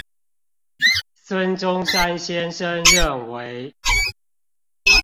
孫中山先生認為